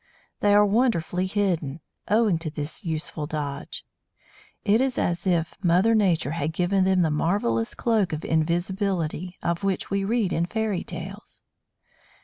They are wonderfully hidden, owing to this useful dodge. It is as if Mother Nature had given them the marvellous "cloak of invisibility," of which we read in fairy tales.